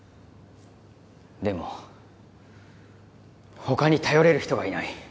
でも、他に頼れる人がいない。